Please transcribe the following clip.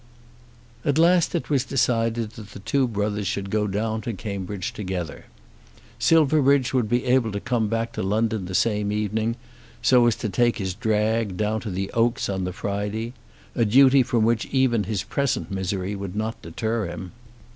At last it was decided that the two brothers should go down to Cambridge together. Silverbridge would be able to come back to London the same evening, so as to take his drag down to the Oaks on the Friday, a duty from which even his present misery would not deter him.